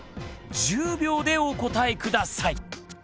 １０秒でお答え下さい！